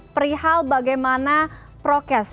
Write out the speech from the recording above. perihal bagaimana prokes